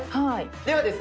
ではですね